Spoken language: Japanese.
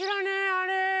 あれ？